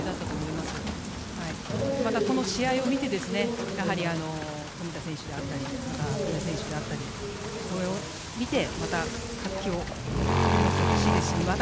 また、この試合を見て冨田選手であったり素根選手であったりこれを見て、また活気を取り戻してほしいですしまた